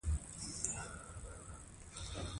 په افغانستان کې تالابونه ډېر اهمیت لري.